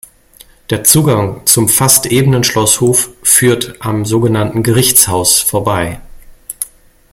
Der Zugang zum fast ebenen Schlosshof führt am sogenannten "Gerichtshaus" vorbei.